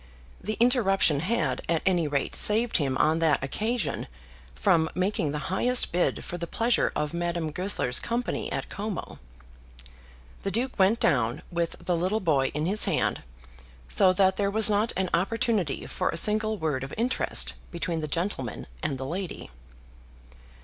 The interruption had, at any rate, saved him on that occasion from making the highest bid for the pleasure of Madame Goesler's company at Como. The Duke went down with the little boy in his hand, so that there was not an opportunity for a single word of interest between the gentleman and the lady.